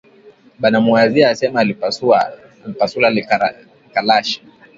Banamuwazia asema alipasula rikalashi